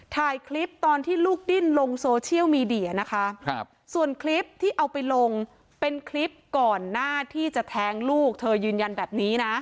ถ่ายคลิปตอนที่ลูกดิ้นลงโซเชียลมีเดียนะคะส่วนคลิปที่เอาไปลงเป็นคลิปก่อนหน้าที่จะแทงลูกเธอยืนยันแบบนี้นะ